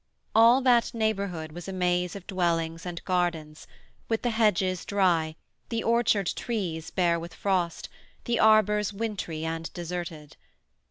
All that neighbourhood was a maze of dwellings and gardens, with the hedges dry, the orchard trees bare with frost, the arbours wintry and deserted.